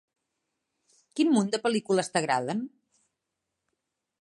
Quin munt de pel·lícules t'agraden?